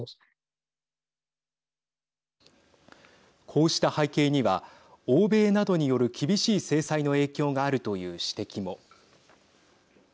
こうした背景には欧米などによる厳しい制裁の影響があるという指摘も。